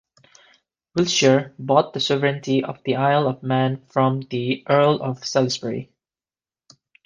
Wiltshire bought the sovereignty of the Isle of Man from the Earl of Salisbury.